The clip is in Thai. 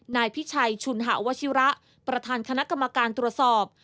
นายพิชัยชุนหาวชิระประธานคณะกรรมการตรวจสอบ